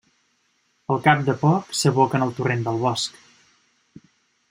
Al cap de poc s'aboca en el torrent del Bosc.